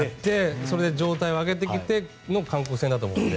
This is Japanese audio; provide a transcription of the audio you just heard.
それで状態を上げてきてのそれからの韓国戦だと思うので。